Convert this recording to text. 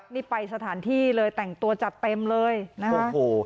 นี่ไปสถานที่เลยแต่งตัวจัดเต็มเลยนะคะโอ้โห